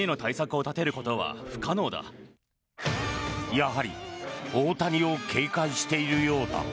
やはり大谷を警戒しているようだ。